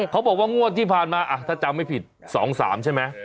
เขาบอกว่างวดที่ผ่านมาถ้าจำไม่ผิด๒๓ใช่ไหม